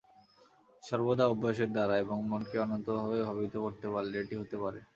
সর্বদা অভ্যাসের দ্বারা এবং মনকে অনন্তভাবে ভাবিত করতে পারলে এটি হতে পারে।